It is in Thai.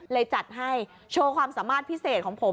จัดให้โชว์ความสามารถพิเศษของผม